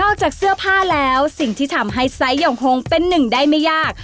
จากเสื้อผ้าแล้วสิ่งที่ทำให้ไซส์หย่องโฮงเป็นหนึ่งได้ไม่ยาก